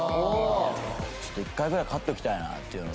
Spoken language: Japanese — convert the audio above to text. ちょっと１回ぐらい勝っておきたいなっていうのと。